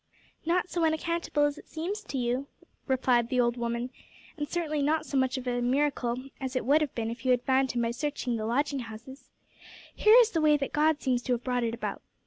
"Not so unaccountable as it seems to you," replied the old woman, "and certainly not so much of a miracle as it would have been if you had found him by searching the lodging houses. Here is the way that God seems to have brought it about.